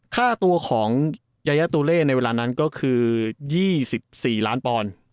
ค่าตัวของยายาตุเล่ในเวลานั้นก็คือ๒๔ล้านปอนด์